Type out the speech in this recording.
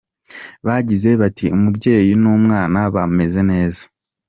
Bagize abati” Umubyeyi n’umwana bameze neza.